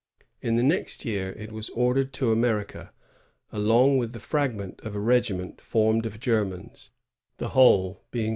In the next year it was ordered to America, along with the fragment of a regiment formed of Germans, the whole being 1666.